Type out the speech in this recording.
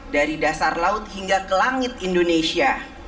dari dasar laut hingga ke langit indonesia